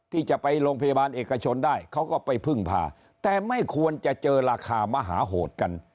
ที่จะไปโรงพยาบาลเอกชนได้เขาก็ไปพึ่งพาแต่ไม่ควรจะเจอราคามหาโหดกัน